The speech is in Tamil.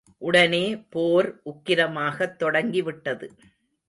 உடனே போர் உக்கிரமாகத் தொடங்கிவிட்டது.